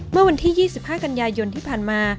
เมื่อวันที่๒๕กันยายนที่ผ่านมา